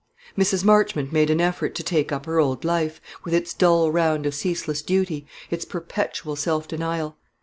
Mrs. Marchmont made an effort to take up her old life, with its dull round of ceaseless duty, its perpetual self denial.